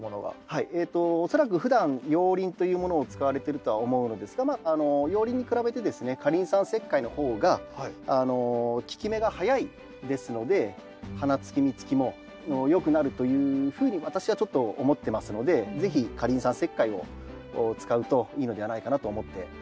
はい恐らくふだん熔リンというものを使われてるとは思うのですが熔リンに比べてですね過リン酸石灰の方が効き目が早いですので花つき実つきもよくなるというふうに私はちょっと思ってますので是非過リン酸石灰を使うといいのではないかなと思ってはい。